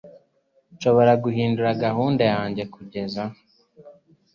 Nshobora guhindura gahunda yanjye kugeza h?